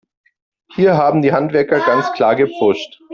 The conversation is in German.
Hier haben die Handwerker ganz klar gepfuscht.